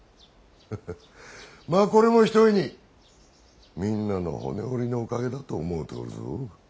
まあこれもひとえにみんなの骨折りのおかげだと思うておるぞ。